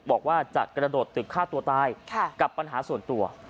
บอกว่าจะกระโดดตึกฆ่าตัวตายกับปัญหาส่วนตัว